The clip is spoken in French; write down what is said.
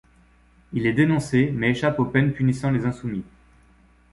Il est dénoncé, mais échappe aux peines punissant les insoumis.